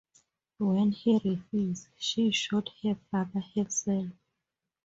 When he refused, she shot her father herself.